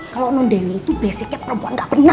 kalo non dewi itu basicnya perempuan gak bener